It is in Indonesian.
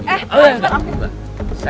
eh enggak enggak